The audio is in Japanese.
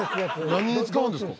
何に使うんですか？